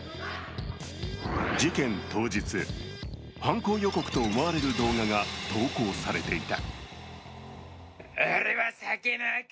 事件当日、犯行予告と思われる動画が投稿されていた。